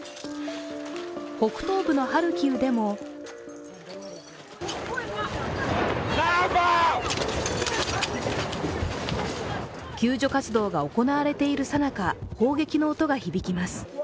北東部のハルキウでも救助活動が行われているさなか砲撃の音が響きます。